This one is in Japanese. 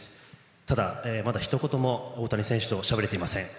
ただまだ、ひと言も大谷選手としゃべれていません。